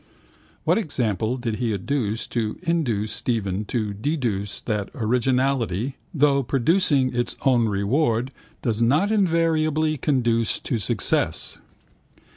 Which example did he adduce to induce Stephen to deduce that originality, though producing its own reward, does not invariably conduce to success?